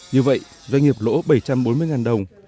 như vậy doanh nghiệp lỗ bảy trăm bốn mươi đồng